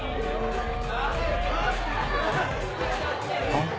あっ。